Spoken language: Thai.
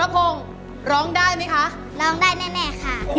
พร้อมได้พร้อมได้พร้อมได้